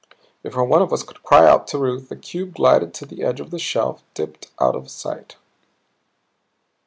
Before one of us could cry out to Ruth, the cube glided to the edge of the shelf, dipped out of sight.